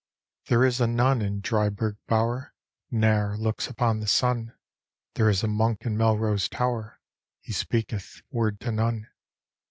There is a nun in Drybur^ bower, Ne'er looks upon the sun, There is a monk in Melrose tower, He speaketh word to none.